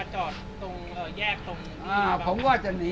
หอยกุ้ยดีใช่ไหม